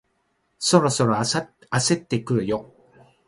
そろそろ焦ってくるよ